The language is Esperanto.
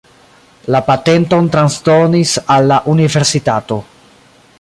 La patenton transdonis al la universitato.